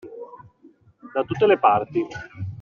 Da tutte le parti.